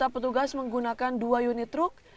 di situ petugas menggunakan dua unit truk